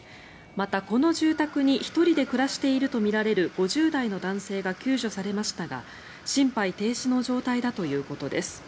また、この住宅に１人で暮らしているとみられる５０代の男性が救助されましたが心肺停止の状態だということです。